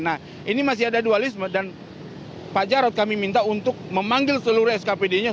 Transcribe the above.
nah ini masih ada dualisme dan pak jarod kami minta untuk memanggil seluruh skpd nya